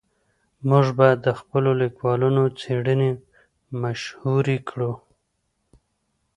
موږ باید د خپلو لیکوالانو څېړنې مشهورې کړو.